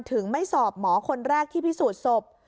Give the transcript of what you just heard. ไม่สอบหมอคนแรกที่พิสูจน์ศพ